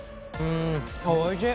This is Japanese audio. おいしい。